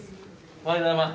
おはようございます。